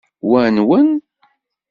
Wa nwen?